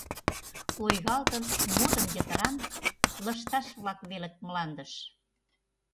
Лойгалтын, модын йытыран, лышташ-влак велыт мландыш.